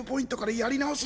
やり直す？